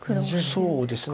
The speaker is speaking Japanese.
そうですね